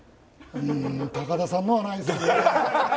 うーん高田さんのはないですね。